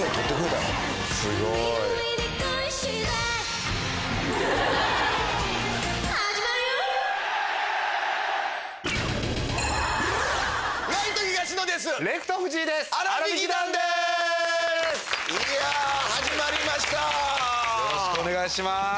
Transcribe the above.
よろしくお願いします